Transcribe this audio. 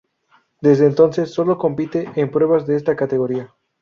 Desde entonces solo compite en pruebas de esta categoría.